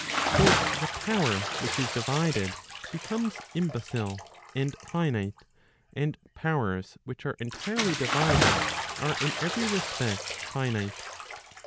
For the power which is divided, becomes irabecil and finite, and powers which are entirely divided, are in every respect finite.